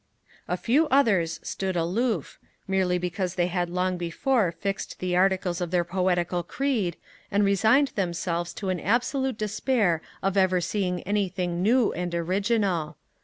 A few others stood aloof, merely because they had long before fixed the articles of their poetical creed, and resigned themselves to an absolute despair of ever seeing anything new and original.